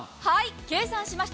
計算しました。